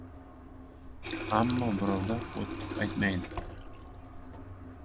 Ammo birov-da qo‘tttiq aytmaydi.